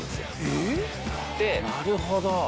なるほど。